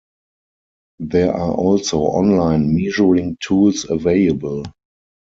There are also online measuring tools available.